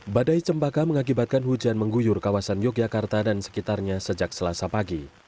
badai cempaka mengakibatkan hujan mengguyur kawasan yogyakarta dan sekitarnya sejak selasa pagi